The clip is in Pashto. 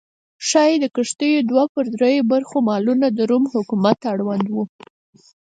ښايي د کښتیو دوه پر درېیمه برخه مالونه د روم حکومت اړوند و